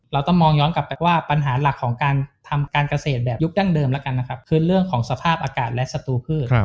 เราต้องมองย้อนกลับไปว่าปัญหาหลักของการทำการเกษตรแบบยุคดั้งเดิมแล้วกันนะครับคือเรื่องของสภาพอากาศและศัตรูพืช